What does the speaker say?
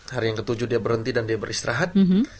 hari yang ke tujuh dia berhenti dan dia beristirahat